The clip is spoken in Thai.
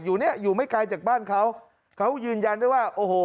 อยู่ไม่ไกลจากบ้านเขาเขายืนยันได้ว่าโอ้โห